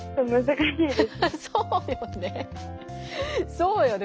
そうよね。